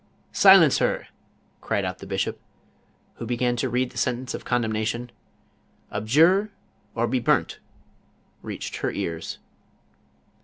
"Silence her," cried out the bishop, who began to read the sentence of condemnation. " Abjure or be burnt.'' rjachcxl her cars.